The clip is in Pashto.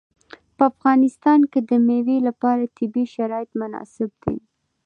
په افغانستان کې د مېوې لپاره طبیعي شرایط مناسب دي.